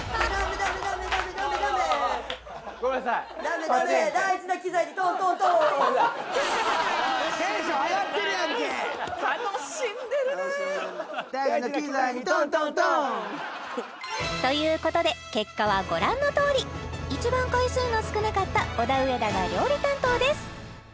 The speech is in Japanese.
ダメダメ楽しんでるなということで結果はご覧のとおり一番回数の少なかったオダウエダが料理担当です